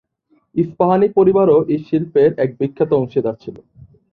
ইস্পাহানী পরিবারও এই শিল্পের এক বিখ্যাত অংশীদার ছিল।